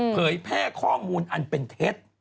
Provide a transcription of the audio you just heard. เผยแพร่ข้อมูลอันเป็นเท็จ